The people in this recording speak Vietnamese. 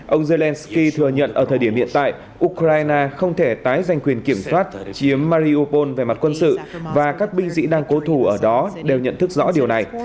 ông zelenskyy thừa nhận ở thời điểm hiện tại ukraine không thể tái giành quyền kiểm soát chiếm mariopol về mặt quân sự và các binh sĩ đang cố thủ ở đó đều nhận thức rõ điều này